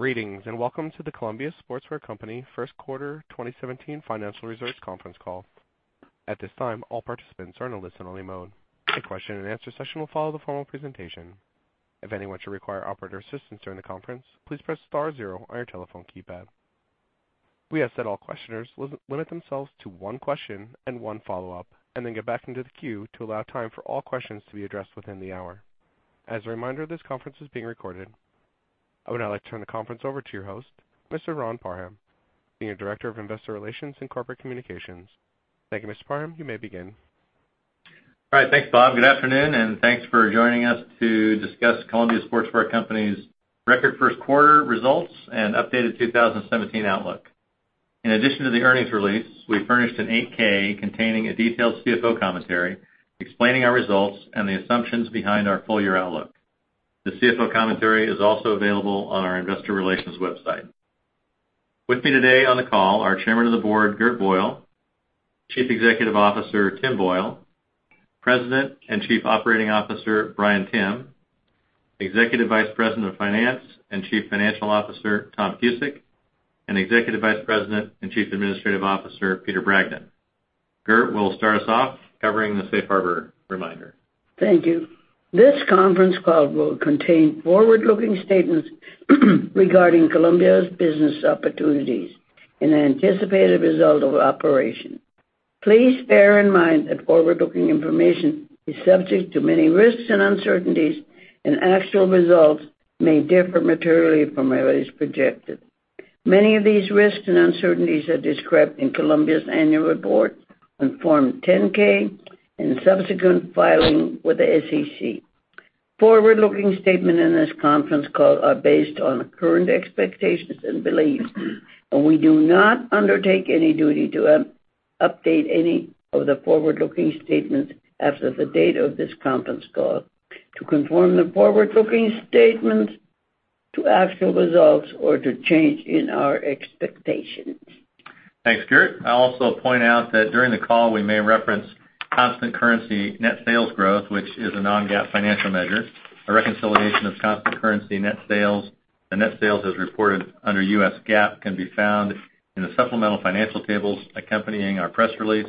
Greetings, and welcome to the Columbia Sportswear Company first quarter 2017 financial results conference call. At this time, all participants are in a listen-only mode. A question and answer session will follow the formal presentation. If anyone should require operator assistance during the conference, please press star zero on your telephone keypad. We ask that all questioners limit themselves to one question and one follow-up, and then get back into the queue to allow time for all questions to be addressed within the hour. As a reminder, this conference is being recorded. I would now like to turn the conference over to your host, Mr. Ron Parham, Senior Director of Investor Relations and Corporate Communications. Thank you, Mr. Parham. You may begin. All right. Thanks, Bob. Good afternoon, and thanks for joining us to discuss Columbia Sportswear Company's record first quarter results and updated 2017 outlook. In addition to the earnings release, we furnished an 8-K containing a detailed CFO commentary explaining our results and the assumptions behind our full-year outlook. The CFO commentary is also available on our investor relations website. With me today on the call are Chairman of the Board, Gert Boyle, Chief Executive Officer, Tim Boyle, President and Chief Operating Officer, Bryan Timm, Executive Vice President of Finance and Chief Financial Officer, Tom Cusick, and Executive Vice President and Chief Administrative Officer, Peter Bragdon. Gert will start us off covering the safe harbor reminder. Thank you. This conference call will contain forward-looking statements regarding Columbia's business opportunities and anticipated result of operation. Please bear in mind that forward-looking information is subject to many risks and uncertainties, and actual results may differ materially from what is projected. Many of these risks and uncertainties are described in Columbia's annual report on form 10-K and subsequent filing with the SEC. Forward-looking statements in this conference call are based on current expectations and beliefs, and we do not undertake any duty to update any of the forward-looking statements after the date of this conference call to conform the forward-looking statements to actual results or to change in our expectations. Thanks, Gert. I'll also point out that during the call, we may reference constant currency net sales growth, which is a non-GAAP financial measure. A reconciliation of constant currency net sales and net sales as reported under U.S. GAAP can be found in the supplemental financial tables accompanying our press release,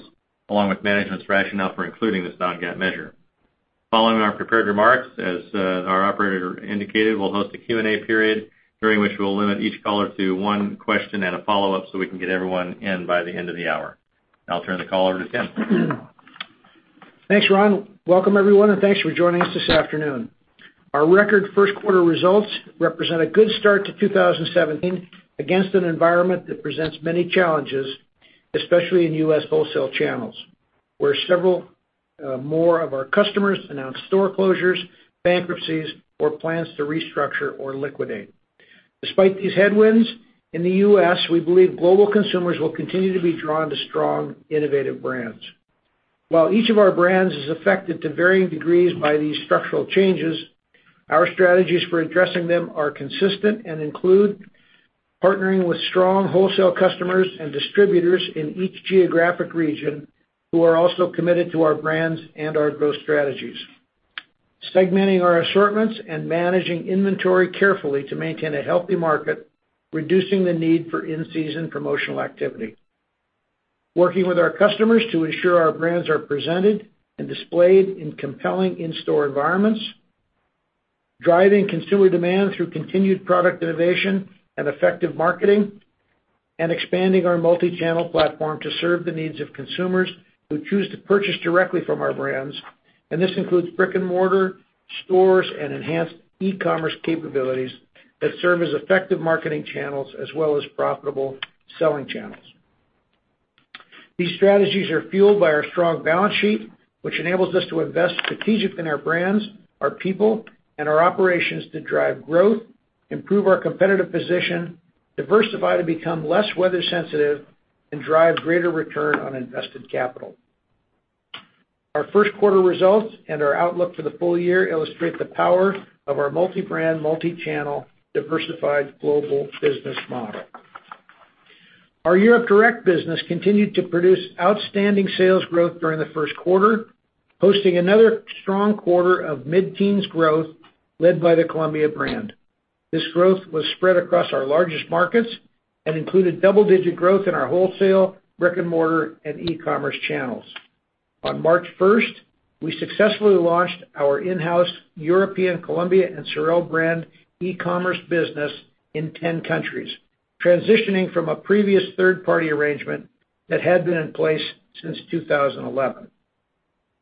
along with management's rationale for including this non-GAAP measure. Following our prepared remarks, as our operator indicated, we'll host a Q&A period, during which we'll limit each caller to one question and a follow-up so we can get everyone in by the end of the hour. I'll turn the call over to Tim. Thanks, Ron. Welcome, everyone, and thanks for joining us this afternoon. Our record first quarter results represent a good start to 2017 against an environment that presents many challenges, especially in U.S. wholesale channels, where several more of our customers announced store closures, bankruptcies, or plans to restructure or liquidate. Despite these headwinds in the U.S., we believe global consumers will continue to be drawn to strong, innovative brands. While each of our brands is affected to varying degrees by these structural changes, our strategies for addressing them are consistent and include partnering with strong wholesale customers and distributors in each geographic region who are also committed to our brands and our growth strategies, segmenting our assortments and managing inventory carefully to maintain a healthy market, reducing the need for in-season promotional activity, working with our customers to ensure our brands are presented and displayed in compelling in-store environments. Driving consumer demand through continued product innovation and effective marketing, expanding our multi-channel platform to serve the needs of consumers who choose to purchase directly from our brands. This includes brick and mortar stores and enhanced e-commerce capabilities that serve as effective marketing channels as well as profitable selling channels. These strategies are fueled by our strong balance sheet, which enables us to invest strategically in our brands, our people, and our operations to drive growth, improve our competitive position, diversify to become less weather sensitive, and drive greater return on invested capital. Our first quarter results and our outlook for the full year illustrate the power of our multi-brand, multi-channel, diversified global business model. Our Europe direct business continued to produce outstanding sales growth during the first quarter, posting another strong quarter of mid-teens growth led by the Columbia brand. This growth was spread across our largest markets and included double-digit growth in our wholesale, brick and mortar, and e-commerce channels. On March 1st, we successfully launched our in-house European Columbia and Sorel brand e-commerce business in 10 countries, transitioning from a previous third-party arrangement that had been in place since 2011.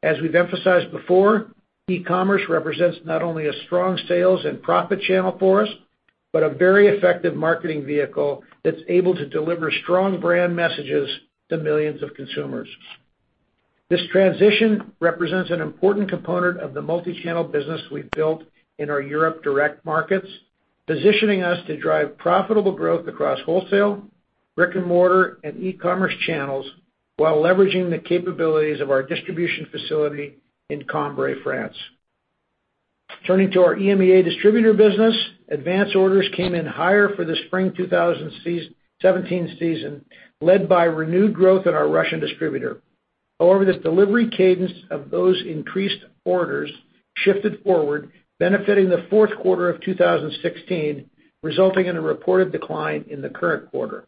As we've emphasized before, e-commerce represents not only a strong sales and profit channel for us, but a very effective marketing vehicle that's able to deliver strong brand messages to millions of consumers. This transition represents an important component of the multi-channel business we've built in our Europe direct markets, positioning us to drive profitable growth across wholesale, brick and mortar, and e-commerce channels while leveraging the capabilities of our distribution facility in Cambrai, France. Turning to our EMEA distributor business, advance orders came in higher for the spring 2017 season, led by renewed growth in our Russian distributor. However, this delivery cadence of those increased orders shifted forward, benefiting the fourth quarter of 2016, resulting in a reported decline in the current quarter.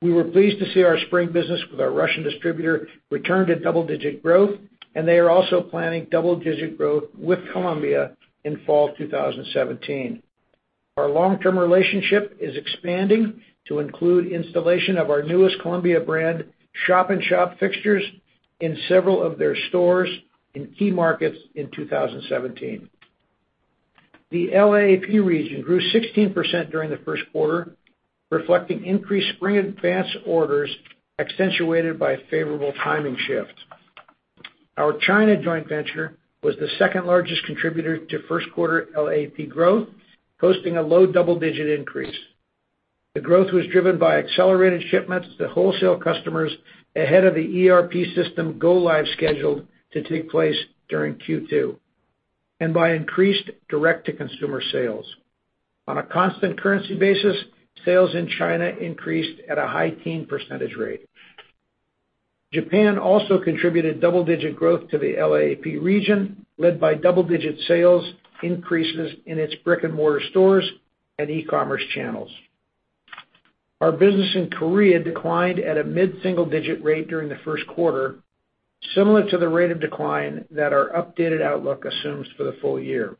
We were pleased to see our spring business with our Russian distributor return to double-digit growth, and they are also planning double-digit growth with Columbia in fall 2017. Our long-term relationship is expanding to include installation of our newest Columbia brand shop-in-shop fixtures in several of their stores in key markets in 2017. The LAAP region grew 16% during the first quarter, reflecting increased spring advance orders accentuated by a favorable timing shift. Our China joint venture was the second-largest contributor to first quarter LAAP growth, posting a low double-digit increase. The growth was driven by accelerated shipments to wholesale customers ahead of the ERP system go-live scheduled to take place during Q2, and by increased direct-to-consumer sales. On a constant currency basis, sales in China increased at a high teen percentage rate. Japan also contributed double-digit growth to the LAAP region, led by double-digit sales increases in its brick-and-mortar stores and e-commerce channels. Our business in Korea declined at a mid-single-digit rate during the first quarter, similar to the rate of decline that our updated outlook assumes for the full year.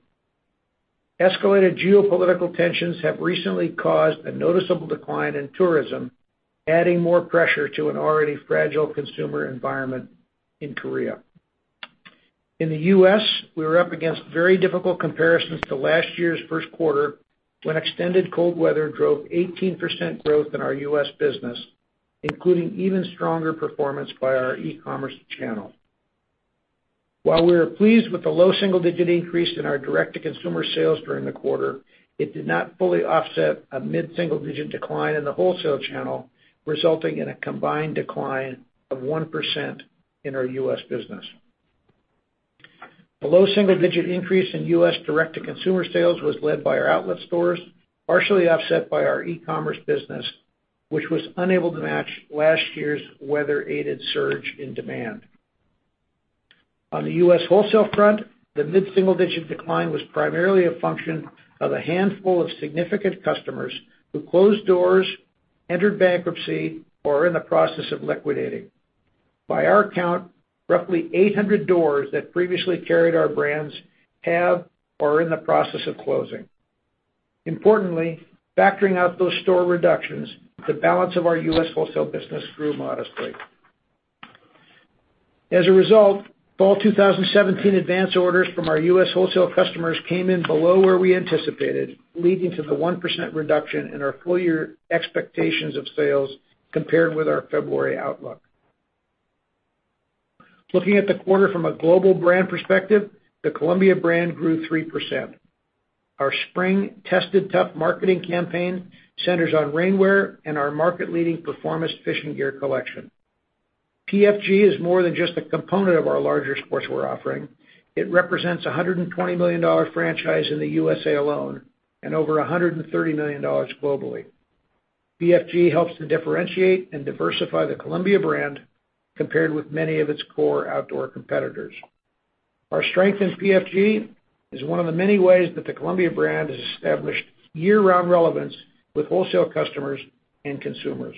Escalated geopolitical tensions have recently caused a noticeable decline in tourism, adding more pressure to an already fragile consumer environment in Korea. In the U.S., we were up against very difficult comparisons to last year's first quarter, when extended cold weather drove 18% growth in our U.S. business, including even stronger performance by our e-commerce channel. While we are pleased with the low single-digit increase in our direct-to-consumer sales during the quarter, it did not fully offset a mid-single-digit decline in the wholesale channel, resulting in a combined decline of 1% in our U.S. business. The low single-digit increase in U.S. direct-to-consumer sales was led by our outlet stores, partially offset by our e-commerce business, which was unable to match last year's weather-aided surge in demand. On the U.S. wholesale front, the mid-single-digit decline was primarily a function of a handful of significant customers who closed doors, entered bankruptcy, or are in the process of liquidating. By our count, roughly 800 doors that previously carried our brands have or are in the process of closing. Importantly, factoring out those store reductions, the balance of our U.S. wholesale business grew modestly. As a result, fall 2017 advance orders from our U.S. wholesale customers came in below where we anticipated, leading to the 1% reduction in our full-year expectations of sales compared with our February outlook. Looking at the quarter from a global brand perspective, the Columbia brand grew 3%. Our spring Tested Tough marketing campaign centers on rainwear and our market-leading Performance Fishing Gear collection. PFG is more than just a component of our larger sportswear offering. It represents a $120 million franchise in the USA alone and over $130 million globally. PFG helps to differentiate and diversify the Columbia brand compared with many of its core outdoor competitors. Our strength in PFG is one of the many ways that the Columbia brand has established year-round relevance with wholesale customers and consumers.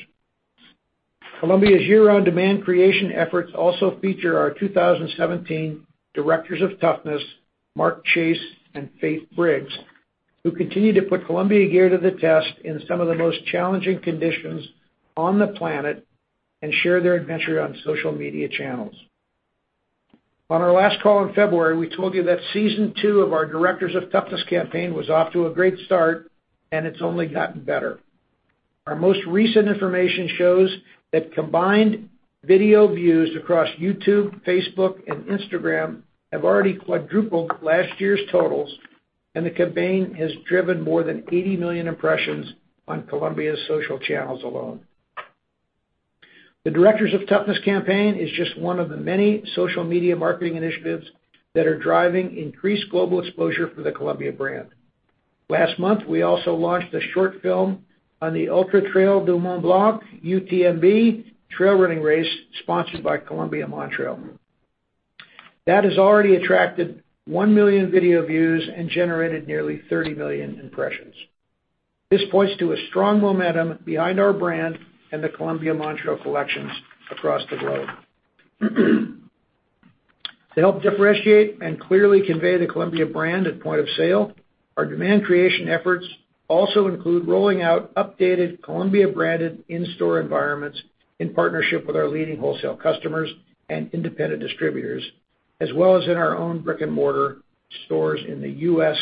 Columbia's year-round demand creation efforts also feature our 2017 Directors of Toughness, Mark Chase and Faith Briggs, who continue to put Columbia gear to the test in some of the most challenging conditions on the planet and share their adventure on social media channels. On our last call in February, we told you that season two of our Directors of Toughness campaign was off to a great start, and it's only gotten better. Our most recent information shows that combined video views across YouTube, Facebook, and Instagram have already quadrupled last year's totals, and the campaign has driven more than 80 million impressions on Columbia's social channels alone. The Directors of Toughness campaign is just one of the many social media marketing initiatives that are driving increased global exposure for the Columbia brand. Last month, we also launched a short film on the Ultra-Trail du Mont-Blanc, UTMB, trail running race sponsored by Columbia Montrail. That has already attracted 1 million video views and generated nearly 30 million impressions. This points to a strong momentum behind our brand and the Columbia Montrail collections across the globe. To help differentiate and clearly convey the Columbia brand at point of sale, our demand creation efforts also include rolling out updated Columbia-branded in-store environments in partnership with our leading wholesale customers and independent distributors, as well as in our own brick-and-mortar stores in the U.S.,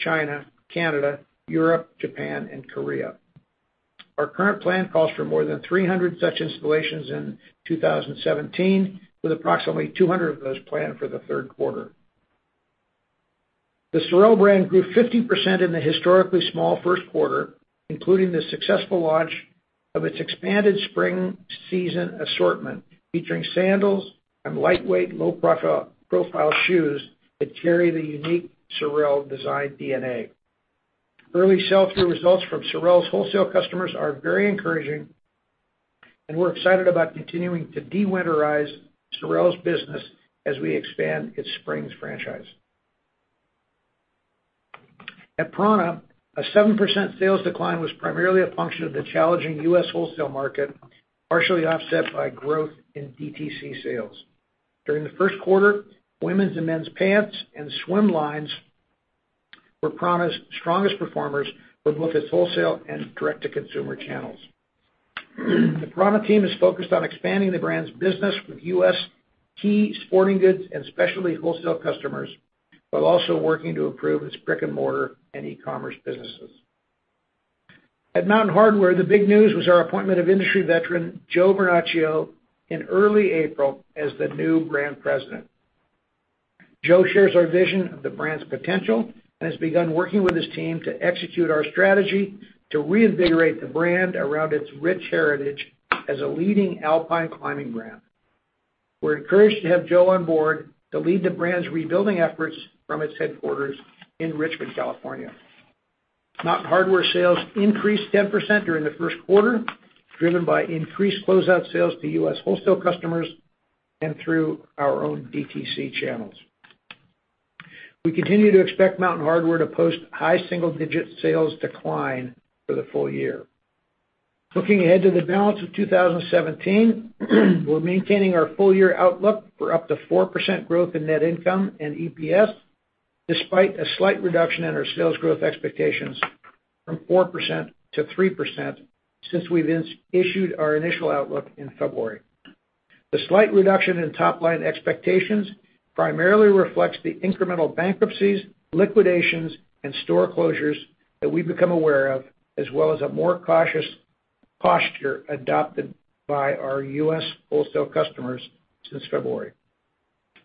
China, Canada, Europe, Japan, and Korea. Our current plan calls for more than 300 such installations in 2017, with approximately 200 of those planned for the third quarter. The SOREL brand grew 50% in the historically small first quarter, including the successful launch of its expanded spring season assortment, featuring sandals and lightweight, low-profile shoes that carry the unique SOREL design DNA. Early sell-through results from SOREL's wholesale customers are very encouraging. We're excited about continuing to de-winterize SOREL's business as we expand its springs franchise. At prAna, a 7% sales decline was primarily a function of the challenging U.S. wholesale market, partially offset by growth in DTC sales. During the first quarter, women's and men's pants and swim lines were prAna's strongest performers for both its wholesale and direct-to-consumer channels. The prAna team is focused on expanding the brand's business with U.S. key sporting goods and specialty wholesale customers, while also working to improve its brick-and-mortar and e-commerce businesses. At Mountain Hardwear, the big news was our appointment of industry veteran Joe Vernachio in early April as the new brand president. Joe shares our vision of the brand's potential and has begun working with his team to execute our strategy to reinvigorate the brand around its rich heritage as a leading alpine climbing brand. We're encouraged to have Joe on board to lead the brand's rebuilding efforts from its headquarters in Richmond, California. Mountain Hardwear sales increased 10% during the first quarter, driven by increased closeout sales to U.S. wholesale customers and through our own DTC channels. We continue to expect Mountain Hardwear to post high single-digit sales decline for the full year. Looking ahead to the balance of 2017, we're maintaining our full-year outlook for up to 4% growth in net income and EPS, despite a slight reduction in our sales growth expectations from 4% to 3% since we've issued our initial outlook in February. The slight reduction in top-line expectations primarily reflects the incremental bankruptcies, liquidations, and store closures that we've become aware of, as well as a more cautious posture adopted by our U.S. wholesale customers since February.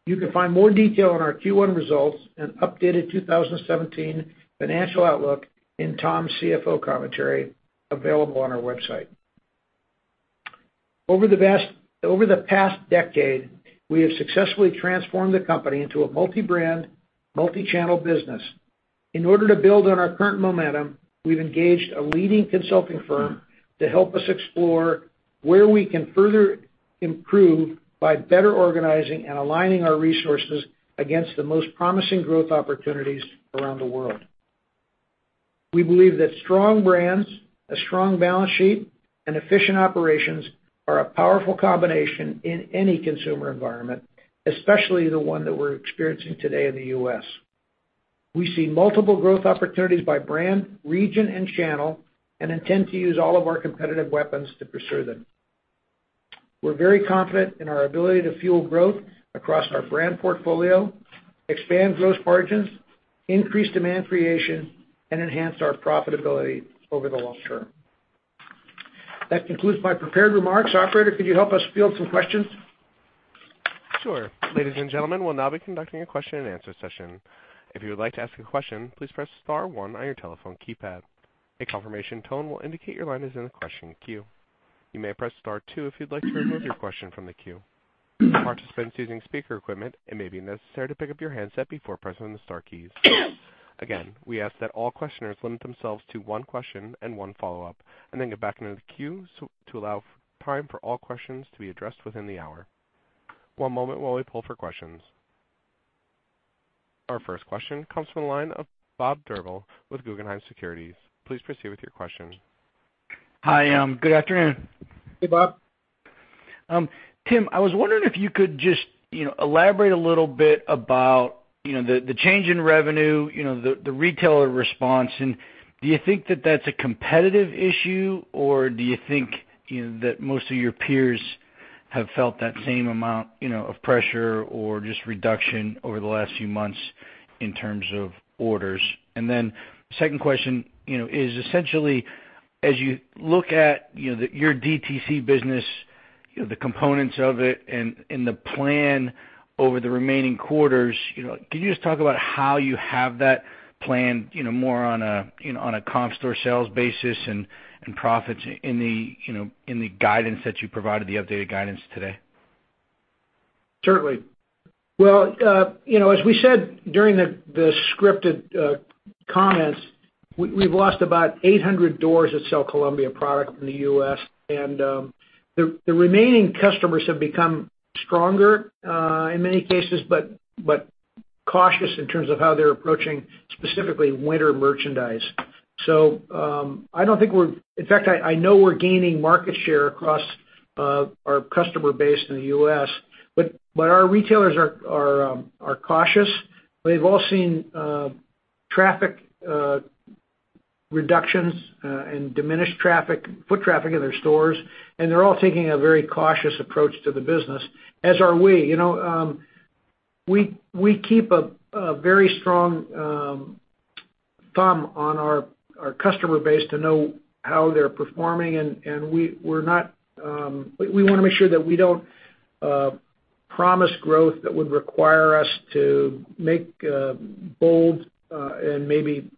You can find more detail on our Q1 results and updated 2017 financial outlook in Tom's CFO commentary available on our website. Over the past decade, we have successfully transformed the company into a multi-brand, multi-channel business. In order to build on our current momentum, we've engaged a leading consulting firm to help us explore where we can further improve by better organizing and aligning our resources against the most promising growth opportunities around the world. We believe that strong brands, a strong balance sheet, and efficient operations are a powerful combination in any consumer environment, especially the one that we're experiencing today in the U.S. We see multiple growth opportunities by brand, region, and channel, intend to use all of our competitive weapons to pursue them. We're very confident in our ability to fuel growth across our brand portfolio, expand gross margins, increase demand creation, and enhance our profitability over the long term. That concludes my prepared remarks. Operator, could you help us field some questions? Sure. Ladies and gentlemen, we'll now be conducting a question-and-answer session. If you would like to ask a question, please press star one on your telephone keypad. A confirmation tone will indicate your line is in the question queue. You may press star two if you'd like to remove your question from the queue. Participants using speaker equipment, it may be necessary to pick up your handset before pressing the star keys. Again, we ask that all questioners limit themselves to one question and one follow-up, then get back into the queue, to allow time for all questions to be addressed within the hour. One moment while we poll for questions. Our first question comes from the line of Bob Drbul with Guggenheim Securities. Please proceed with your question. Hi. Good afternoon. Hey, Bob. Tim, I was wondering if you could just elaborate a little bit about the change in revenue, the retailer response, and do you think that that's a competitive issue, or do you think that most of your peers have felt that same amount of pressure or just reduction over the last few months in terms of orders? Second question is essentially as you look at your DTC business, the components of it and the plan over the remaining quarters, can you just talk about how you have that plan more on a comp store sales basis and profits in the guidance that you provided, the updated guidance today? Certainly. Well, as we said during the scripted comments, we've lost about 800 doors that sell Columbia product in the U.S., the remaining customers have become stronger, in many cases, but cautious in terms of how they're approaching specifically winter merchandise. I don't think we're in fact, I know we're gaining market share across our customer base in the U.S., but our retailers are cautious. They've all seen traffic reductions and diminished foot traffic in their stores, they're all taking a very cautious approach to the business, as are we. We keep a very strong thumb on our customer base to know how they're performing, we want to make sure that we don't promise growth that would require us to make bold and maybe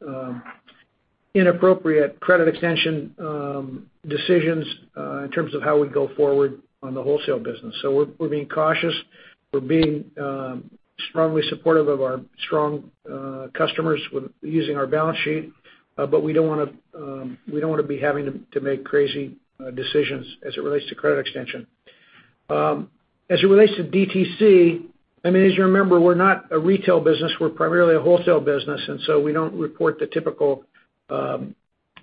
inappropriate credit extension decisions in terms of how we go forward on the wholesale business. We're being cautious. We're being strongly supportive of our strong customers with using our balance sheet, we don't want to be having to make crazy decisions as it relates to credit extension. As it relates to DTC, as you remember, we're not a retail business, we're primarily a wholesale business, we don't report the typical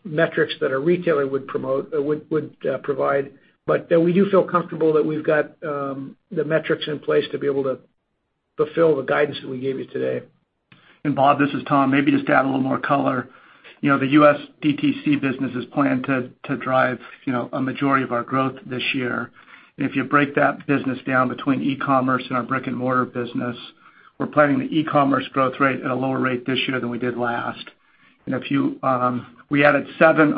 metrics that a retailer would provide. We do feel comfortable that we've got the metrics in place to be able to fulfill the guidance that we gave you today. Bob, this is Tom. Maybe just to add a little more color. The U.S. DTC business is planned to drive a majority of our growth this year. If you break that business down between e-commerce and our brick and mortar business, we're planning the e-commerce growth rate at a lower rate this year than we did last. On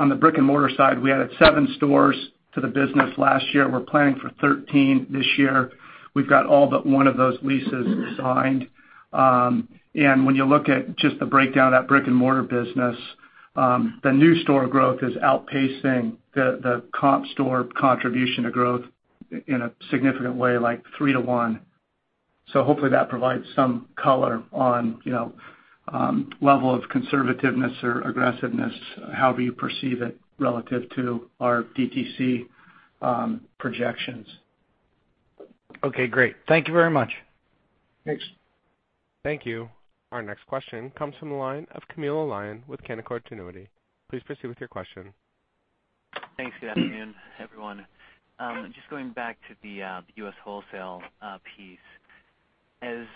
the brick and mortar side, we added seven stores to the business last year. We're planning for 13 this year. We've got all but one of those leases signed. When you look at just the breakdown of that brick and mortar business, the new store growth is outpacing the comp store contribution to growth in a significant way, like three to one. Hopefully, that provides some color on level of conservativeness or aggressiveness, however you perceive it, relative to our DTC projections. Okay, great. Thank you very much. Thanks. Thank you. Our next question comes from the line of Camilo Lyon with Canaccord Genuity. Please proceed with your question. Thanks. Good afternoon, everyone. Just going back to the U.S. wholesale piece. As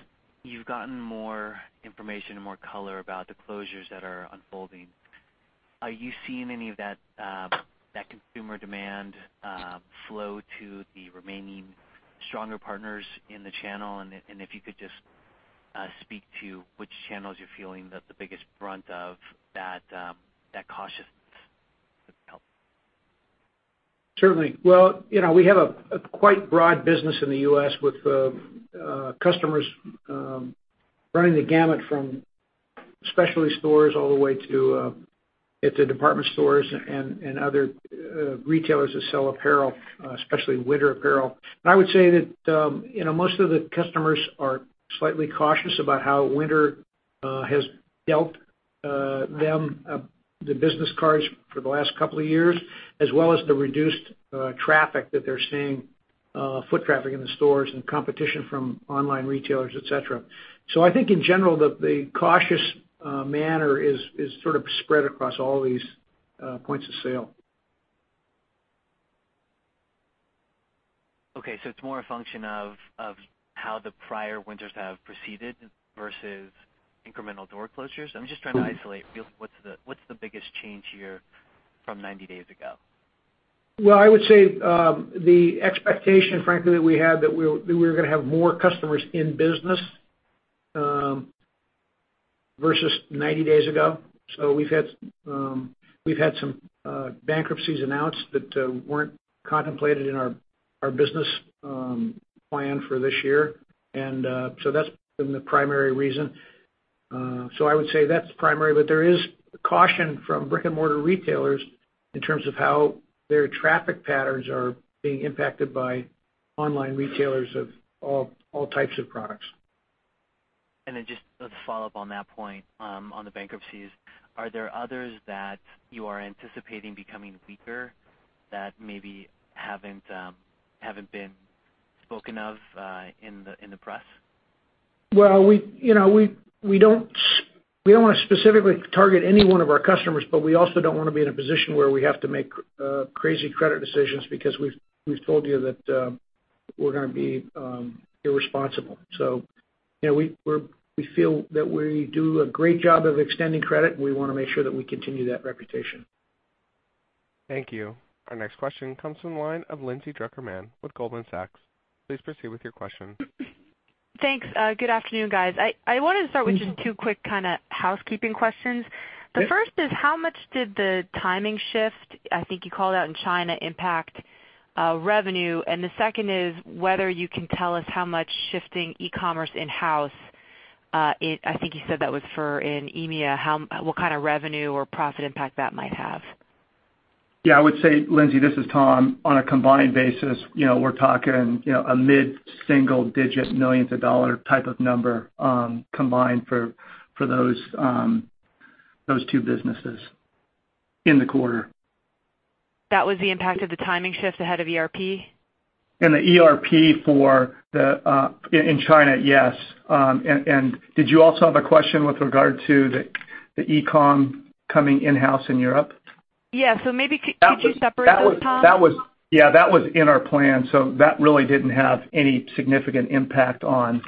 you've gotten more information and more color about the closures that are unfolding, are you seeing any of that consumer demand flow to the remaining stronger partners in the channel? If you could just speak to which channels you're feeling that the biggest brunt of that cautiousness would help. Certainly. Well, we have a quite broad business in the U.S. with customers running the gamut from specialty stores all the way to department stores and other retailers that sell apparel, especially winter apparel. I would say that most of the customers are slightly cautious about how winter has dealt them the business cards for the last couple of years, as well as the reduced traffic that they're seeing, foot traffic in the stores and competition from online retailers, et cetera. I think in general, the cautious manner is sort of spread across all these points of sale. Okay, it's more a function of how the prior winters have proceeded versus incremental door closures? I'm just trying to isolate what's the biggest change here from 90 days ago. Well, I would say, the expectation, frankly, that we had that we were going to have more customers in business versus 90 days ago. We've had some bankruptcies announced that weren't contemplated in our business plan for this year. That's been the primary reason. I would say that's primary, but there is caution from brick and mortar retailers in terms of how their traffic patterns are being impacted by online retailers of all types of products. Just to follow up on that point, on the bankruptcies, are there others that you are anticipating becoming weaker that maybe haven't been spoken of in the press? Well, we don't want to specifically target any one of our customers, but we also don't want to be in a position where we have to make crazy credit decisions because we've told you that we're going to be irresponsible. We feel that we do a great job of extending credit, and we want to make sure that we continue that reputation. Thank you. Our next question comes from the line of Lindsay Drucker Mann with Goldman Sachs. Please proceed with your question. Thanks. Good afternoon, guys. I wanted to start with just two quick kind of housekeeping questions. Sure. The first is, how much did the timing shift, I think you called out in China, impact revenue? The second is whether you can tell us how much shifting e-commerce in-house, I think you said that was for in EMEA, what kind of revenue or profit impact that might have? Yeah, I would say, Lindsay, this is Tom. On a combined basis, we're talking a mid-single digit millions of dollars type of number combined for those two businesses in the quarter. That was the impact of the timing shift ahead of ERP? In the ERP in China, yes. Did you also have a question with regard to the e-com coming in-house in Europe? Yeah. Maybe could you separate those, Tom? Yeah, that was in our plan. That really didn't have any significant impact on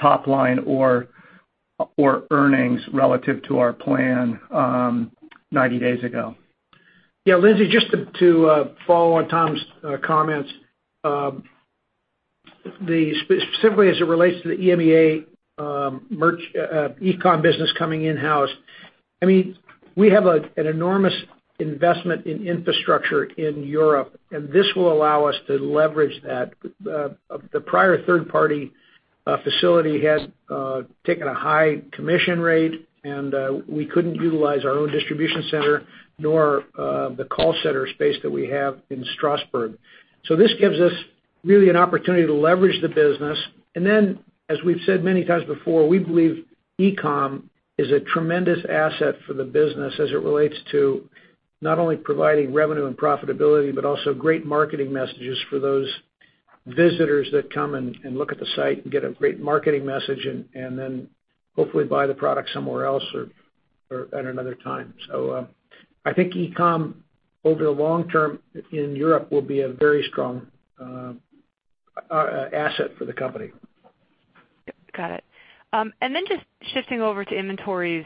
top line or earnings relative to our plan 90 days ago. Lindsay, just to follow on Tom's comments. Specifically as it relates to the EMEA e-com business coming in-house, we have an enormous investment in infrastructure in Europe. This will allow us to leverage that. The prior third party facility had taken a high commission rate. We couldn't utilize our own distribution center nor the call center space that we have in Strasbourg. This gives us Really an opportunity to leverage the business. As we've said many times before, we believe e-com is a tremendous asset for the business as it relates to not only providing revenue and profitability, but also great marketing messages for those visitors that come and look at the site and get a great marketing message and then hopefully buy the product somewhere else or at another time. I think e-com over the long term in Europe will be a very strong asset for the company. Got it. Just shifting over to inventories.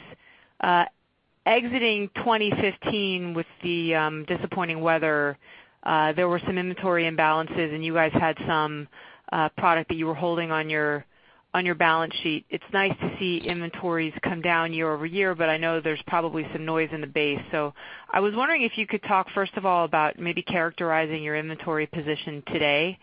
Exiting 2015 with the disappointing weather, there were some inventory imbalances. You guys had some product that you were holding on your balance sheet. It's nice to see inventories come down year-over-year. I know there's probably some noise in the base. I was wondering if you could talk, first of all, about maybe characterizing your inventory position today.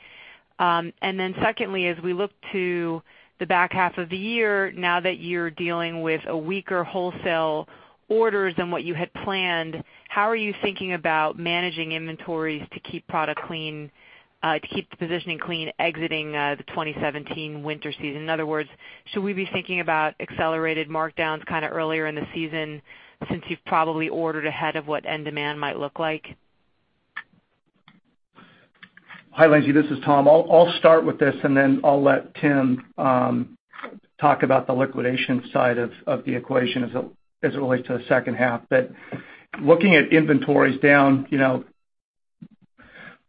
Secondly, as we look to the back half of the year, now that you're dealing with weaker wholesale orders than what you had planned, how are you thinking about managing inventories to keep the positioning clean exiting the 2017 winter season? In other words, should we be thinking about accelerated markdowns kind of earlier in the season, since you've probably ordered ahead of what end demand might look like? Hi, Lindsay. This is Tom. I'll start with this. I'll let Tim talk about the liquidation side of the equation as it relates to the second half. Looking at inventories down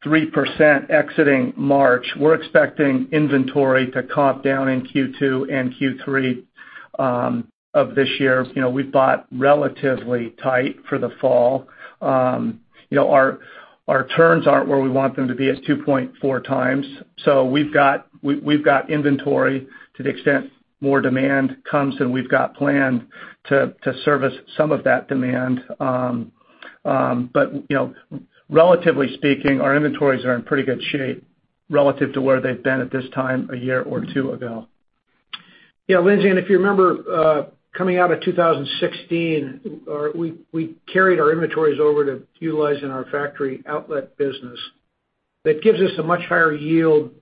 3% exiting March, we're expecting inventory to comp down in Q2 and Q3 of this year. We've bought relatively tight for the fall. Our turns aren't where we want them to be at 2.4 times. We've got inventory to the extent more demand comes than we've got planned to service some of that demand. Relatively speaking, our inventories are in pretty good shape relative to where they've been at this time a year or two ago. Lindsay. If you remember, coming out of 2016, we carried our inventories over to utilizing our factory outlet business. That gives us a much higher yield,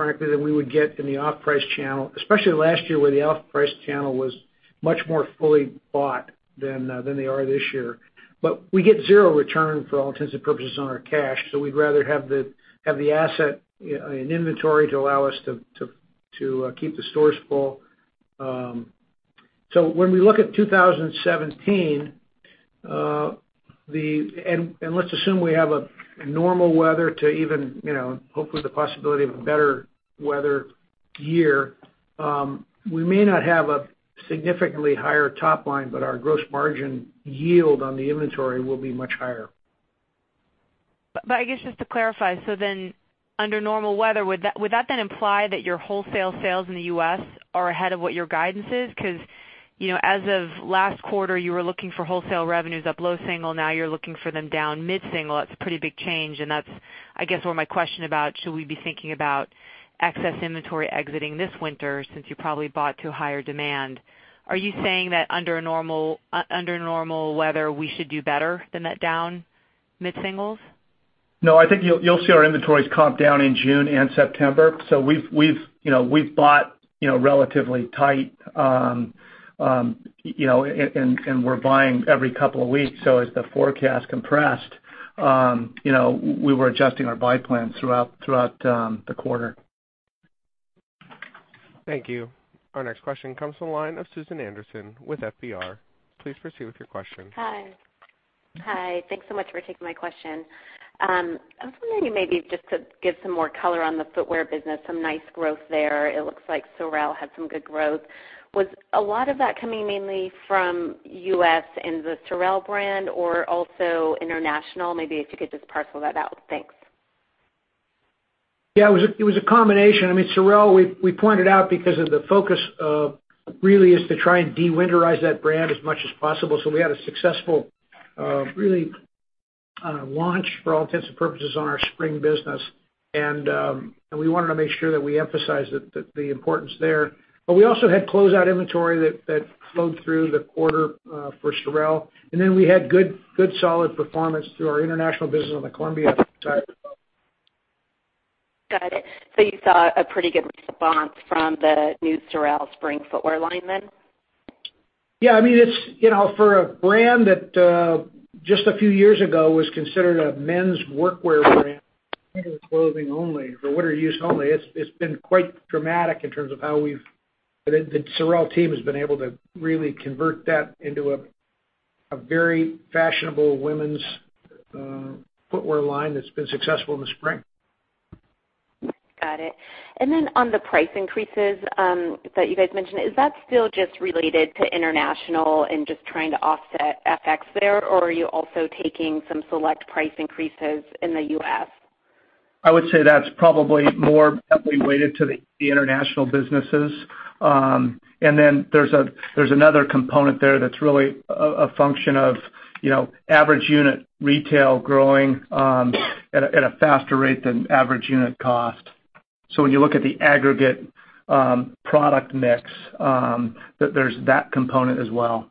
frankly, than we would get in the off-price channel, especially last year where the off-price channel was much more fully bought than they are this year. We get zero return, for all intents and purposes, on our cash. We'd rather have the asset in inventory to allow us to keep the stores full. When we look at 2017, and let's assume we have a normal weather to even hopefully the possibility of a better weather year, we may not have a significantly higher top line, but our gross margin yield on the inventory will be much higher. I guess just to clarify, under normal weather, would that then imply that your wholesale sales in the U.S. are ahead of what your guidance is? Because as of last quarter, you were looking for wholesale revenues up low single. Now you're looking for them down mid single. That's a pretty big change, and that's, I guess, where my question about should we be thinking about excess inventory exiting this winter since you probably bought to higher demand. Are you saying that under normal weather, we should do better than that down mid singles? I think you'll see our inventories comp down in June and September. We've bought relatively tight, and we're buying every couple of weeks. As the forecast compressed, we were adjusting our buy plans throughout the quarter. Thank you. Our next question comes from the line of Susan Anderson with FBR. Please proceed with your question. Hi. Thanks so much for taking my question. I was wondering maybe just to give some more color on the footwear business, some nice growth there. It looks like SOREL had some good growth. Was a lot of that coming mainly from U.S. and the SOREL brand or also international? Maybe if you could just parcel that out. Thanks. Yeah, it was a combination. SOREL, we pointed out because of the focus really is to try and de-winterize that brand as much as possible. We had a successful, really, launch for all intents and purposes on our spring business. We wanted to make sure that we emphasized the importance there. We also had closeout inventory that flowed through the quarter for SOREL. We had good solid performance through our international business on the Columbia side as well. Got it. You saw a pretty good response from the new SOREL spring footwear line, then? Yeah. For a brand that just a few years ago was considered a men's workwear brand, winter clothing only, for winter use only, it's been quite dramatic in terms of how the SOREL team has been able to really convert that into a very fashionable women's footwear line that's been successful in the spring. Got it. On the price increases that you guys mentioned, is that still just related to international and just trying to offset FX there, or are you also taking some select price increases in the U.S.? I would say that's probably more heavily weighted to the international businesses. There's another component there that's really a function of average unit retail growing at a faster rate than average unit cost. When you look at the aggregate product mix, there's that component as well.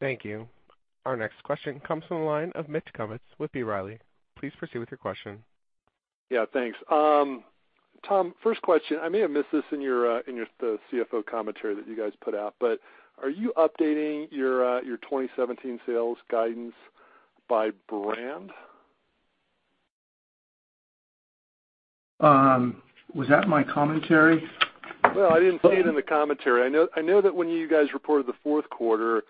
Thank you. Our next question comes from the line of Mitch Kummetz with B. Riley. Please proceed with your question. Yeah, thanks. Tom, first question. I may have missed this in the CFO commentary that you guys put out, are you updating your 2017 sales guidance by brand? Was that in my commentary? Well, I didn't see it in the commentary. I know that when you guys reported the fourth quarter,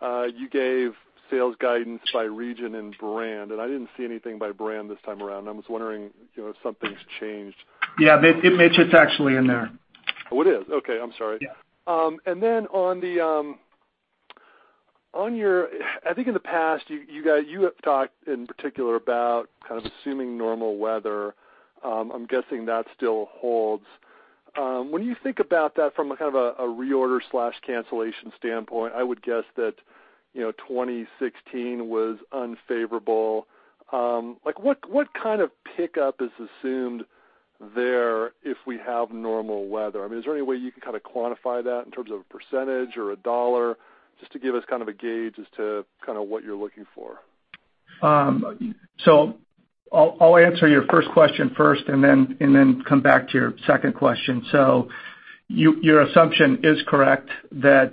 you gave sales guidance by region and brand, and I didn't see anything by brand this time around. I was wondering if something's changed. Yeah, Mitch, it's actually in there. Oh, it is? Okay, I'm sorry. Yeah. I think in the past, you have talked in particular about kind of assuming normal weather. I'm guessing that still holds. When you think about that from a kind of reorder/cancellation standpoint, I would guess that 2016 was unfavorable. What kind of pickup is assumed there if we have normal weather? Is there any way you can kind of quantify that in terms of a percentage or a $, just to give us kind of a gauge as to what you're looking for? I'll answer your first question first and then come back to your second question. Your assumption is correct that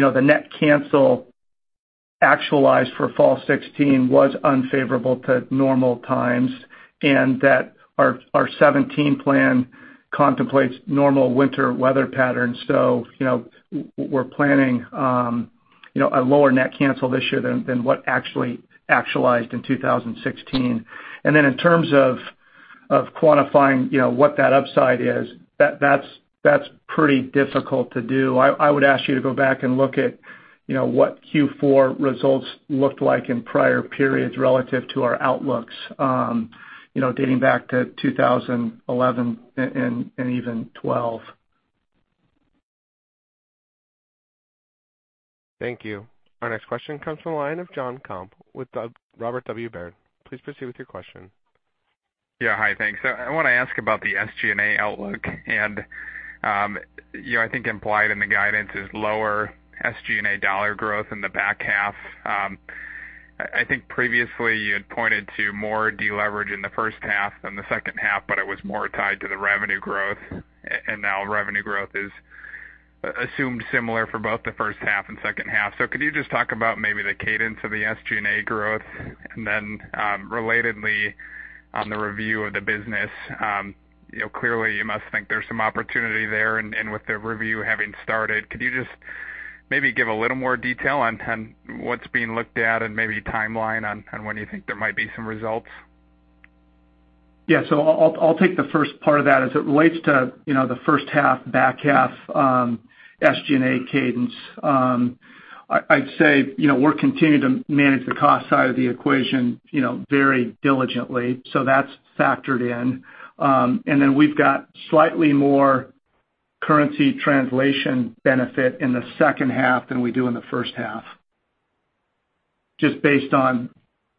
the net cancel actualized for fall 2016 was unfavorable to normal times, and that our 2017 plan contemplates normal winter weather patterns. We're planning a lower net cancel this year than what actualized in 2016. In terms of quantifying what that upside is, that's pretty difficult to do. I would ask you to go back and look at what Q4 results looked like in prior periods relative to our outlooks dating back to 2011 and even 2012. Thank you. Our next question comes from the line of John Komp with Robert W. Baird. Please proceed with your question. Yeah. Hi, thanks. I want to ask about the SG&A outlook, I think implied in the guidance is lower SG&A $ growth in the back half. I think previously you had pointed to more deleverage in the first half than the second half, but it was more tied to the revenue growth, and now revenue growth is assumed similar for both the first half and second half. Could you just talk about maybe the cadence of the SG&A growth? Relatedly on the review of the business, clearly you must think there's some opportunity there, and with the review having started, could you just maybe give a little more detail on what's being looked at and maybe a timeline on when you think there might be some results? Yeah. I'll take the first part of that. As it relates to the first half, back half SG&A cadence, I'd say we're continuing to manage the cost side of the equation very diligently. That's factored in. We've got slightly more currency translation benefit in the second half than we do in the first half, just based on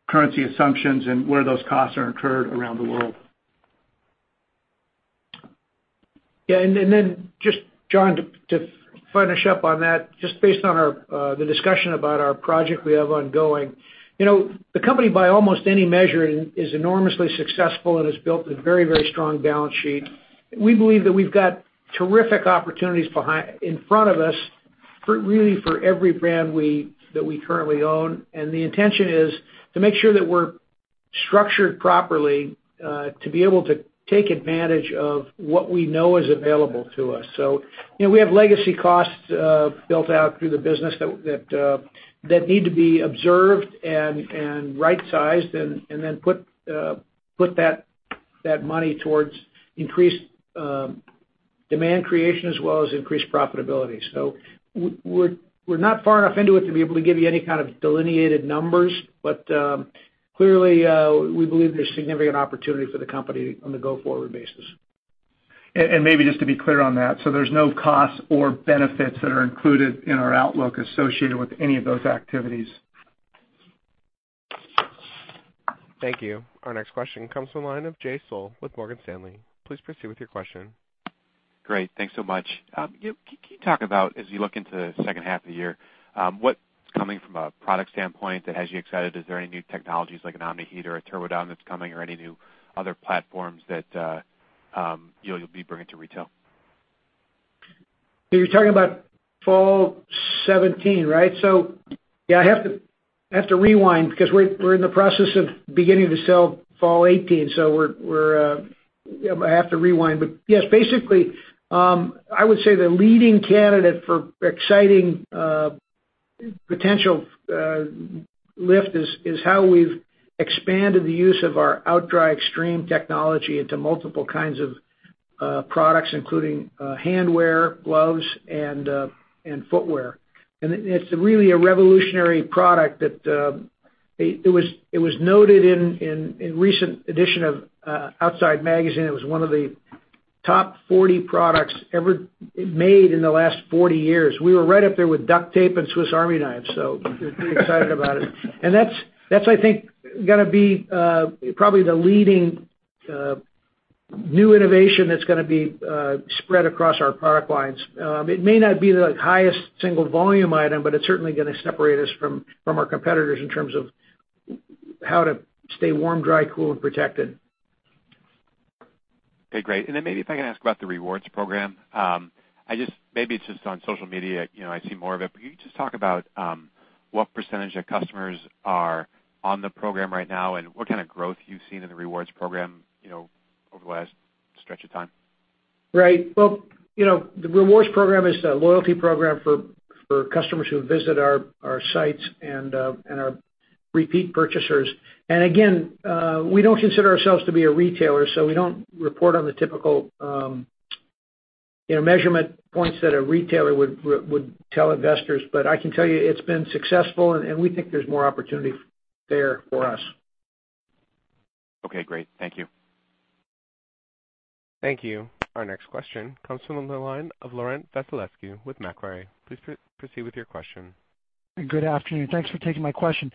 currency assumptions and where those costs are incurred around the world. Yeah. Just, John, to finish up on that, just based on the discussion about our project we have ongoing. The company by almost any measure is enormously successful and has built a very strong balance sheet. We believe that we've got terrific opportunities in front of us, really for every brand that we currently own. The intention is to make sure that we're structured properly to be able to take advantage of what we know is available to us. We have legacy costs built out through the business that need to be observed and right-sized, and then put that money towards increased demand creation as well as increased profitability. We're not far enough into it to be able to give you any kind of delineated numbers. Clearly, we believe there's significant opportunity for the company on a go-forward basis. Maybe just to be clear on that, there's no costs or benefits that are included in our outlook associated with any of those activities. Thank you. Our next question comes from the line of Jay Sole with Morgan Stanley. Please proceed with your question. Great. Thanks so much. Can you talk about, as you look into the second half of the year, what's coming from a product standpoint that has you excited? Is there any new technologies like an Omni-Heat or a TurboDown that's coming or any new other platforms that you'll be bringing to retail? You're talking about fall 2017, right? Yeah, I have to rewind because we're in the process of beginning to sell fall 2018. I have to rewind. Yes, basically, I would say the leading candidate for exciting potential lift is how we've expanded the use of our OutDry Extreme technology into multiple kinds of products, including handwear, gloves, and footwear. It's really a revolutionary product. It was noted in a recent edition of Outside Magazine. It was one of the top 40 products ever made in the last 40 years. We were right up there with duct tape and Swiss Army knives, so we're pretty excited about it. That's, I think, going to be probably the leading New innovation that's going to be spread across our product lines. It may not be the highest single volume item, but it's certainly going to separate us from our competitors in terms of how to stay warm, dry, cool, and protected. Okay, great. Maybe if I can ask about the rewards program. Maybe it's just on social media, I see more of it, but can you just talk about what % of customers are on the program right now, and what kind of growth you've seen in the rewards program over the last stretch of time? Right. Well, the rewards program is the loyalty program for customers who visit our sites and our repeat purchasers. Again, we don't consider ourselves to be a retailer, so we don't report on the typical measurement points that a retailer would tell investors. I can tell you it's been successful, and we think there's more opportunity there for us. Okay, great. Thank you. Thank you. Our next question comes from the line of Laurent Vasilescu with Macquarie. Please proceed with your question. Good afternoon. Thanks for taking my question.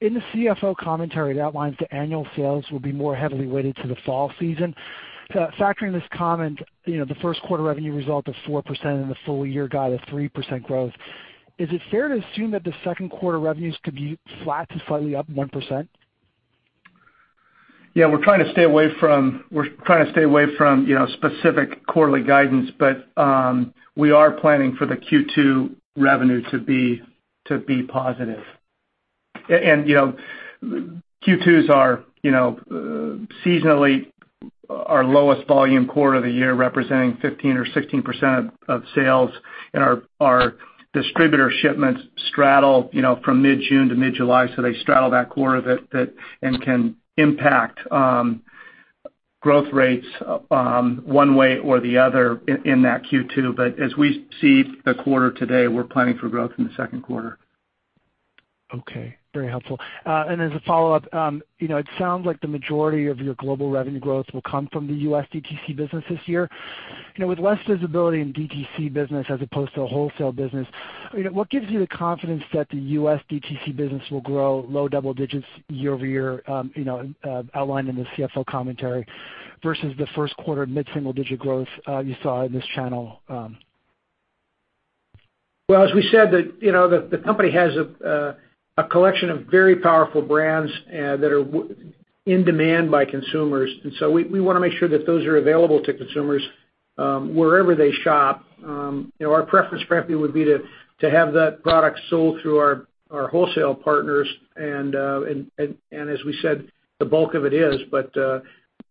In the CFO commentary that outlines the annual sales will be more heavily weighted to the fall season. Factoring this comment, the first quarter revenue result of 4% and the full year guide of 3% growth, is it fair to assume that the second quarter revenues could be flat to slightly up 1%? We're trying to stay away from specific quarterly guidance, but we are planning for the Q2 revenue to be positive. Q2 is seasonally our lowest volume quarter of the year, representing 15% or 16% of sales, and our distributor shipments straddle from mid-June to mid-July, so they straddle that quarter and can impact growth rates one way or the other in that Q2. As we see the quarter today, we're planning for growth in the second quarter. Okay. Very helpful. As a follow-up, it sounds like the majority of your global revenue growth will come from the U.S. DTC business this year. With less visibility in DTC business as opposed to a wholesale business, what gives you the confidence that the U.S. DTC business will grow low double digits year-over-year outlined in the CFO commentary, versus the first quarter mid-single-digit growth you saw in this channel? Well, as we said, the company has a collection of very powerful brands that are in demand by consumers. We want to make sure that those are available to consumers wherever they shop. Our preference, frankly, would be to have that product sold through our wholesale partners and as we said, the bulk of it is.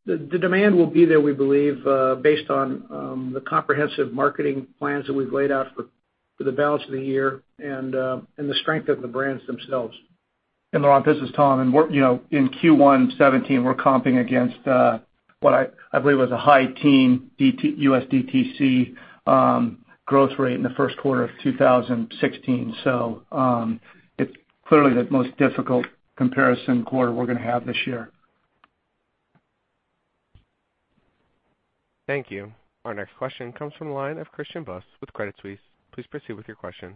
The demand will be there, we believe, based on the comprehensive marketing plans that we've laid out for the balance of the year and the strength of the brands themselves. Laurent, this is Tom. In Q1 2017, we're comping against what I believe was a high teen U.S. DTC growth rate in the first quarter of 2016. It's clearly the most difficult comparison quarter we're going to have this year. Thank you. Our next question comes from the line of Christian Buss with Credit Suisse. Please proceed with your question.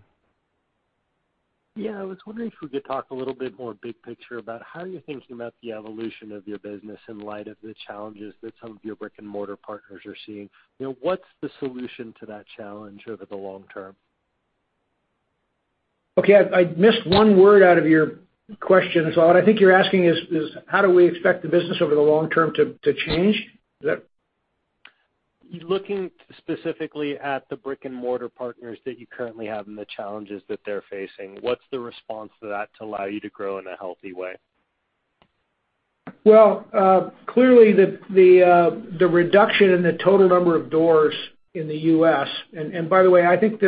Yeah, I was wondering if we could talk a little bit more big picture about how you're thinking about the evolution of your business in light of the challenges that some of your brick-and-mortar partners are seeing. What's the solution to that challenge over the long term? Okay. I missed one word out of your question, so what I think you're asking is, how do we expect the business over the long term to change? Is that? Looking specifically at the brick-and-mortar partners that you currently have and the challenges that they're facing, what's the response to that to allow you to grow in a healthy way? Clearly the reduction in the total number of doors in the U.S. and by the way, I think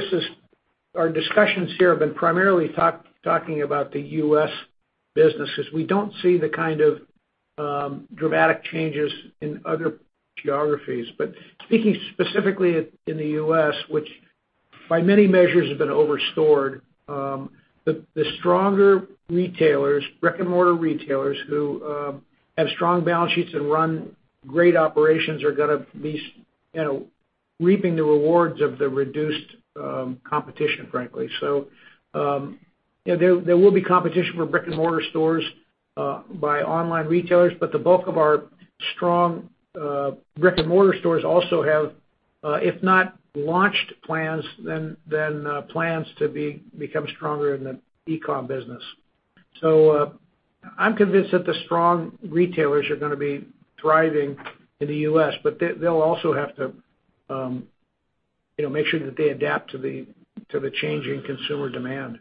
our discussions here have been primarily talking about the U.S. businesses. We don't see the kind of dramatic changes in other geographies. Speaking specifically in the U.S., which by many measures has been over-stored, the stronger retailers, brick-and-mortar retailers, who have strong balance sheets and run great operations are going to be reaping the rewards of the reduced competition, frankly. There will be competition for brick-and-mortar stores by online retailers, but the bulk of our strong brick-and-mortar stores also have, if not launched plans, then plans to become stronger in the e-com business. I'm convinced that the strong retailers are going to be thriving in the U.S., but they'll also have to make sure that they adapt to the changing consumer demand.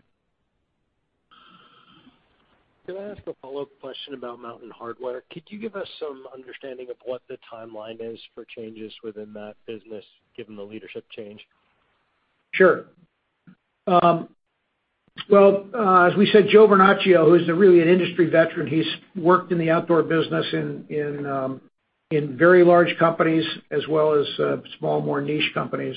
Can I ask a follow-up question about Mountain Hardwear? Could you give us some understanding of what the timeline is for changes within that business, given the leadership change? Sure. As we said, Joe Vernachio, who's really an industry veteran, he's worked in the outdoor business in very large companies as well as small, more niche companies.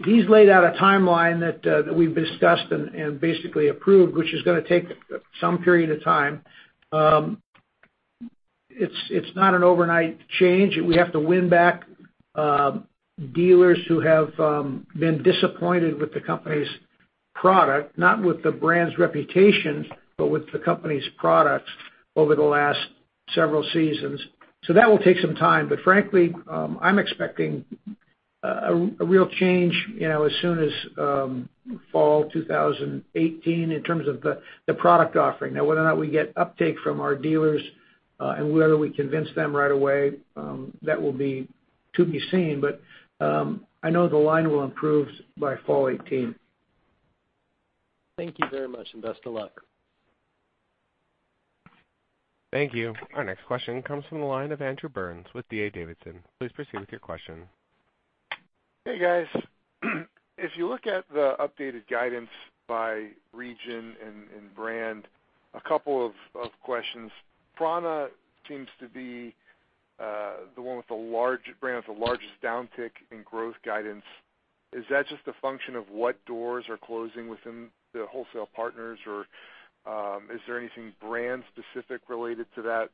He's laid out a timeline that we've discussed and basically approved, which is going to take some period of time. It's not an overnight change. We have to win back dealers who have been disappointed with the company's product, not with the brand's reputation, but with the company's products over the last several seasons. That will take some time, but frankly, I'm expecting a real change as soon as fall 2018 in terms of the product offering. Whether or not we get uptake from our dealers and whether we convince them right away, that will be to be seen. I know the line will improve by fall 2018. Thank you very much. Best of luck. Thank you. Our next question comes from the line of Andrew Burns with D.A. Davidson. Please proceed with your question. Hey, guys. If you look at the updated guidance by region and brand, a couple of questions. prAna seems to be the one with the brand with the largest downtick in growth guidance. Is that just a function of what doors are closing within the wholesale partners, or is there anything brand specific related to that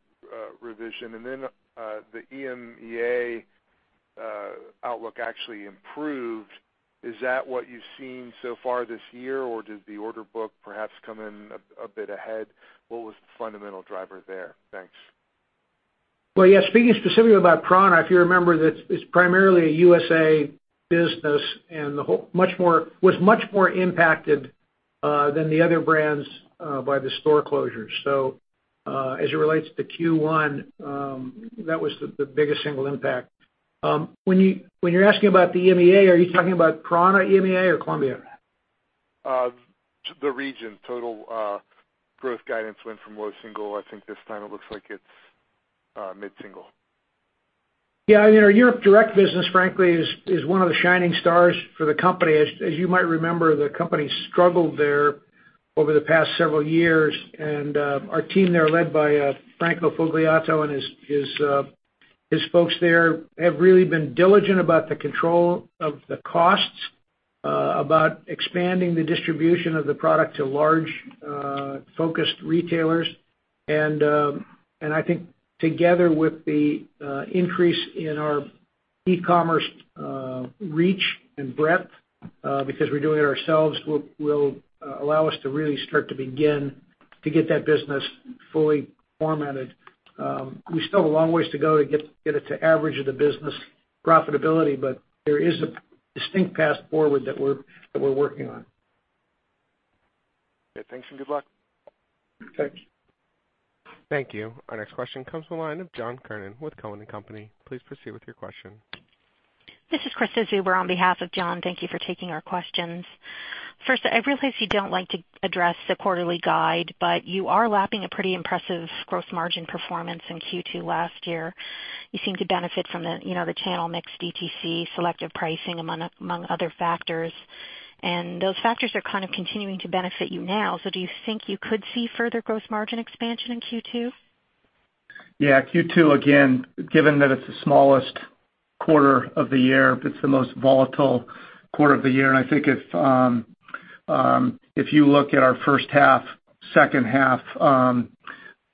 revision? Then the EMEA outlook actually improved. Is that what you've seen so far this year, or did the order book perhaps come in a bit ahead? What was the fundamental driver there? Thanks. Well, yeah. Speaking specifically about prAna, if you remember that it's primarily a USA business and was much more impacted than the other brands by the store closures. As it relates to Q1, that was the biggest single impact. When you're asking about the EMEA, are you talking about prAna EMEA or Columbia? The region. Total growth guidance went from low single. I think this time it looks like it's mid-single. Yeah. Our Europe direct business, frankly, is one of the shining stars for the company. As you might remember, the company struggled there over the past several years, and our team there, led by Franco Fogliato and his folks there, have really been diligent about the control of the costs, about expanding the distribution of the product to large-focused retailers. I think together with the increase in our e-commerce reach and breadth, because we're doing it ourselves, will allow us to really start to begin to get that business fully formatted. We still have a long ways to go to get it to average of the business profitability, but there is a distinct path forward that we're working on. Yeah. Thanks, and good luck. Thank you. Thank you. Our next question comes from the line of John Kernan with Cowen and Company. Please proceed with your question. This is Krista Zuber on behalf of John. Thank you for taking our questions. First, I realize you don't like to address the quarterly guide, but you are lapping a pretty impressive gross margin performance in Q2 last year. You seem to benefit from the channel mix, DTC, selective pricing, among other factors. Those factors are kind of continuing to benefit you now. Do you think you could see further gross margin expansion in Q2? Yeah. Q2, again, given that it's the smallest quarter of the year, it's the most volatile quarter of the year. I think if you look at our first half, second half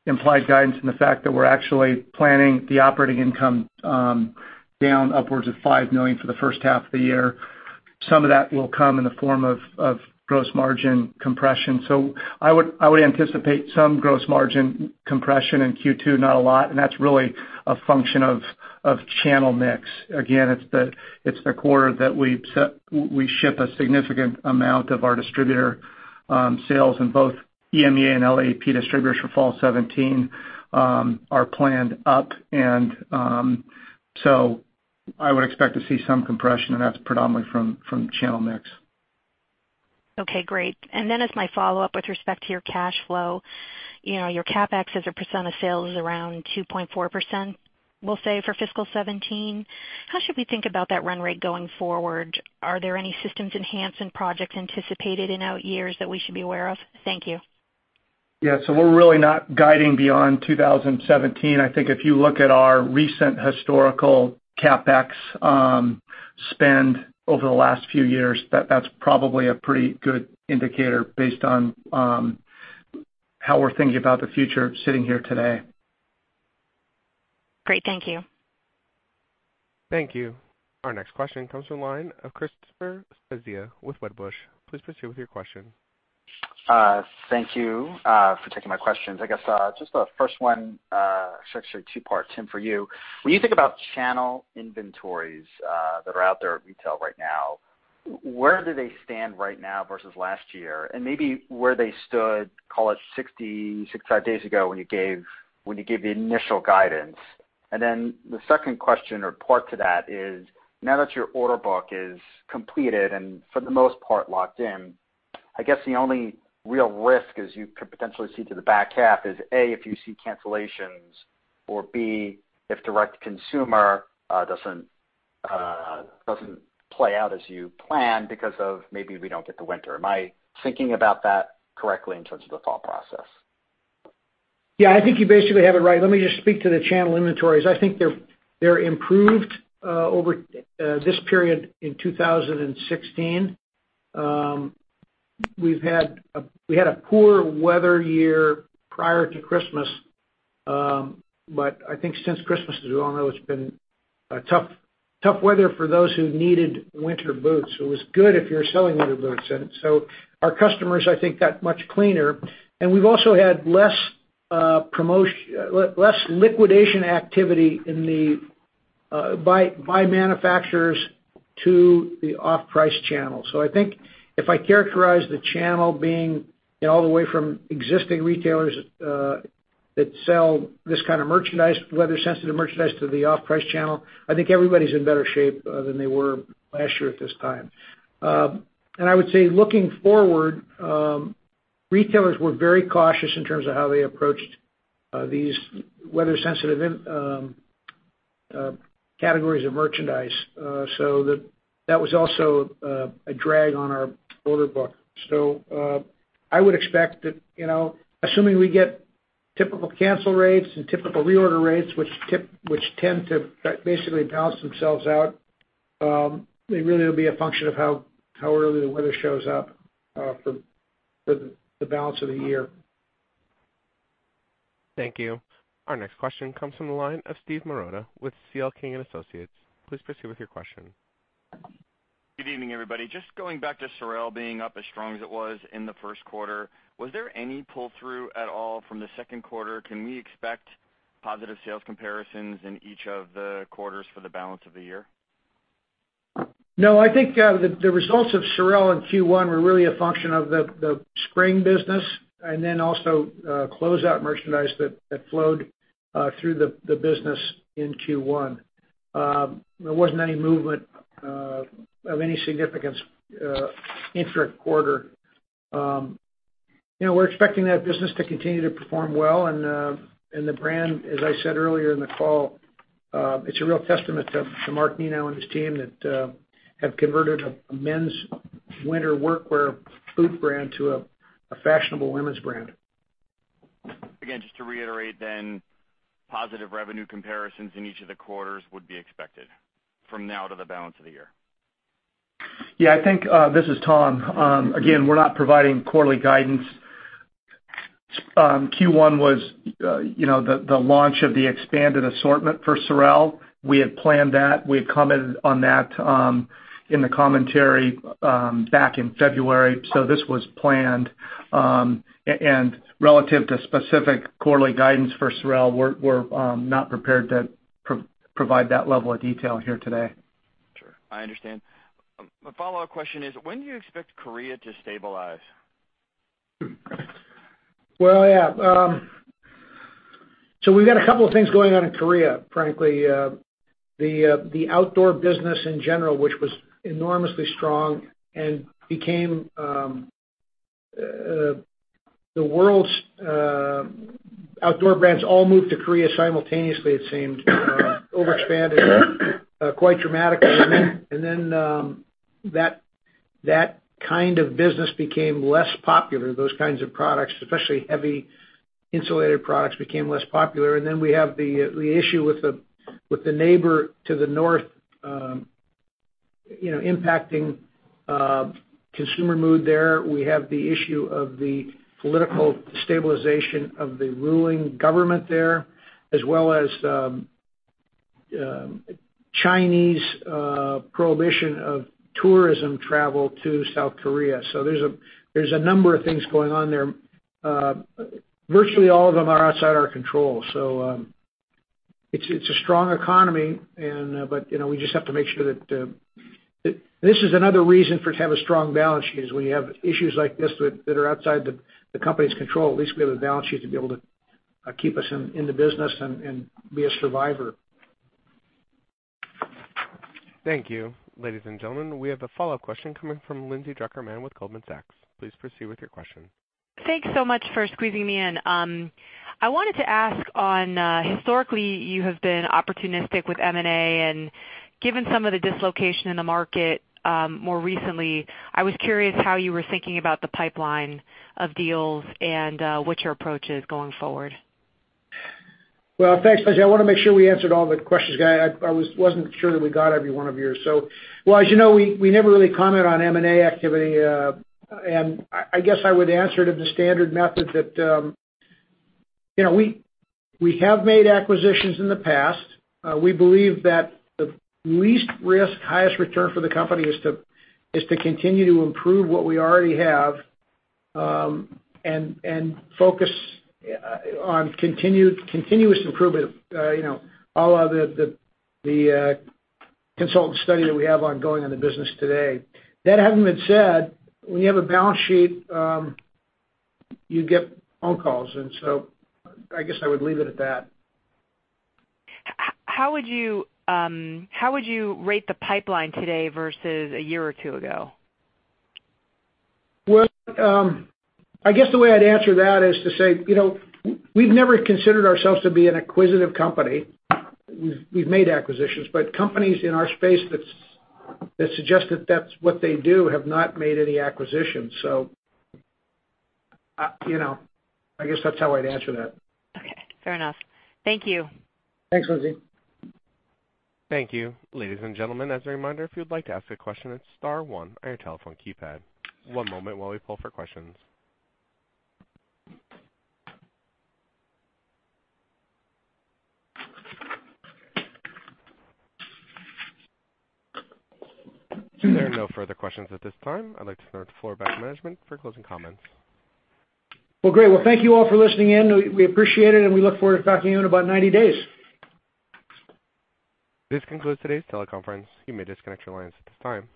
implied guidance and the fact that we're actually planning the operating income down upwards of $5 million for the first half of the year, some of that will come in the form of gross margin compression. I would anticipate some gross margin compression in Q2, not a lot. That's really a function of channel mix. Again, it's the quarter that we ship a significant amount of our distributor sales in both EMEA and LAAP distributors for fall 2017 are planned up. I would expect to see some compression, and that's predominantly from channel mix. Okay, great. As my follow-up, with respect to your cash flow, your CapEx as a percent of sales is around 2.4%, we'll say, for fiscal 2017. How should we think about that run rate going forward? Are there any systems enhancement projects anticipated in out years that we should be aware of? Thank you. Yeah. We're really not guiding beyond 2017. I think if you look at our recent historical CapEx spend over the last few years, that's probably a pretty good indicator based on how we're thinking about the future sitting here today. Great. Thank you. Thank you. Our next question comes from the line of Christopher Svezia with Wedbush. Please proceed with your question. Thank you for taking my questions. I guess just the first one, it's actually two-part, Tim, for you. When you think about channel inventories that are out there at retail right now, where do they stand right now versus last year? Maybe where they stood, call it 60, 65 days ago, when you gave the initial guidance. Then the second question or part to that is, now that your order book is completed and for the most part locked in, I guess the only real risk is you could potentially see to the back half is A, if you see cancellations or B, if direct to consumer doesn't play out as you planned because of maybe we don't get the winter. Am I thinking about that correctly in terms of the thought process? Yeah, I think you basically have it right. Let me just speak to the channel inventories. I think they're improved over this period in 2016. We had a poor weather year prior to Christmas. I think since Christmas, as we all know, it's been tough weather for those who needed winter boots. It was good if you were selling winter boots. So our customers, I think, got much cleaner. We've also had less liquidation activity by manufacturers to the off-price channel. I think if I characterize the channel being all the way from existing retailers that sell this kind of weather-sensitive merchandise to the off-price channel, I think everybody's in better shape than they were last year at this time. I would say looking forward, retailers were very cautious in terms of how they approached these weather-sensitive categories of merchandise. That was also a drag on our order book. I would expect that, assuming we get typical cancel rates and typical reorder rates, which tend to basically balance themselves out, it really will be a function of how early the weather shows up for the balance of the year. Thank you. Our next question comes from the line of Steve Marotta with CL King & Associates. Please proceed with your question. Good evening, everybody. Just going back to SOREL being up as strong as it was in the first quarter, was there any pull-through at all from the second quarter? Can we expect positive sales comparisons in each of the quarters for the balance of the year? No, I think the results of SOREL in Q1 were really a function of the spring business and then also closeout merchandise that flowed through the business in Q1. There wasn't any movement of any significance intra-quarter. We're expecting that business to continue to perform well, and the brand, as I said earlier in the call, it's a real testament to Mark Nenow and his team that have converted a men's winter workwear boot brand to a fashionable women's brand. Just to reiterate, positive revenue comparisons in each of the quarters would be expected from now to the balance of the year. I think, this is Tom. We're not providing quarterly guidance. Q1 was the launch of the expanded assortment for SOREL. We had planned that. We had commented on that in the commentary back in February. Relative to specific quarterly guidance for SOREL, we're not prepared to provide that level of detail here today. Sure. I understand. My follow-up question is, when do you expect Korea to stabilize? Well, we've got a couple of things going on in Korea. Frankly, the outdoor business in general, which was enormously strong and the world's outdoor brands all moved to Korea simultaneously, it seemed, overexpanded quite dramatically. That kind of business became less popular. Those kinds of products, especially heavy insulated products, became less popular. We have the issue with the neighbor to the north impacting consumer mood there. We have the issue of the political stabilization of the ruling government there, as well as Chinese prohibition of tourism travel to South Korea. There's a number of things going on there. Virtually all of them are outside our control. It's a strong economy, but we just have to make sure. This is another reason to have a strong balance sheet, is when you have issues like this that are outside the company's control, at least we have a balance sheet to be able to keep us in the business and be a survivor. Thank you. Ladies and gentlemen, we have a follow-up question coming from Lindsay Drucker Mann with Goldman Sachs. Please proceed with your question. Thanks so much for squeezing me in. I wanted to ask on historically, you have been opportunistic with M&A, and given some of the dislocation in the market more recently, I was curious how you were thinking about the pipeline of deals and what your approach is going forward. Thanks, Lindsay. I want to make sure we answered all the questions. I wasn't sure that we got every one of yours. As you know, we never really comment on M&A activity. I guess I would answer it in the standard method that we have made acquisitions in the past. We believe that the least risk, highest return for the company is to continue to improve what we already have, and focus on continuous improvement. All of the consult study that we have ongoing in the business today. That having been said, when you have a balance sheet, you get phone calls, I guess I would leave it at that. How would you rate the pipeline today versus a year or two ago? Well, I guess the way I'd answer that is to say, we've never considered ourselves to be an acquisitive company. We've made acquisitions, companies in our space that suggest that that's what they do, have not made any acquisitions. I guess that's how I'd answer that. Okay. Fair enough. Thank you. Thanks, Lindsay. Thank you. Ladies and gentlemen, as a reminder, if you'd like to ask a question, it's star one on your telephone keypad. One moment while we pull for questions. There are no further questions at this time. I'd like to turn the floor back to management for closing comments. Well, great. Well, thank you all for listening in. We appreciate it, and we look forward to talking to you in about 90 days. This concludes today's teleconference. You may disconnect your lines at this time.